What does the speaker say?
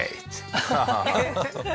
アハハハ。